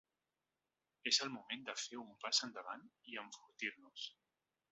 És el moment de fer un pas endavant i enfortir-nos.